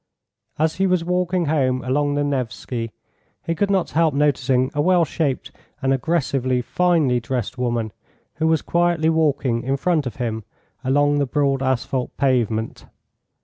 As he was walking home along the Nevski, he could not help noticing a well shaped and aggressively finely dressed woman, who was quietly walking in front of him along the broad asphalt pavement.